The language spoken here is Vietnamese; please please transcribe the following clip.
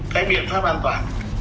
thấy biện pháp an toàn